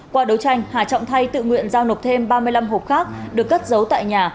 qua đấu tranh hà trọng thay tự nguyện giao nộp thêm ba mươi năm hộp khác được cất giấu tại nhà